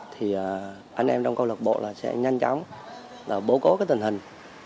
thì anh em trong câu lạc bộ là sẽ nhanh chóng bố cố cái tình hình